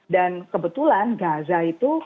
dan kebetulan gaza itu